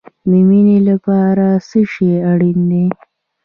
د مینې لپاره څه شی اړین دی؟